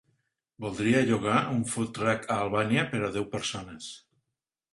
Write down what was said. Voldria llogar un "food truck" a Albania per a deu persones.